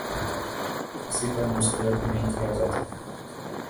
کسی پر مسلط نہیں کیا جاتا۔